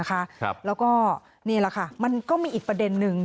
แล้วก็นี่แหละค่ะมันก็มีอีกประเด็นนึง